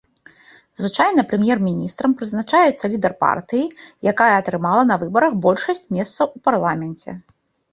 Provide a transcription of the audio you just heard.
Звычайна прэм'ер-міністрам прызначаецца лідар партыі, якая атрымала на выбарах большасць месцаў у парламенце.